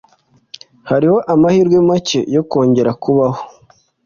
Hariho amahirwe make yo kongera kubaho.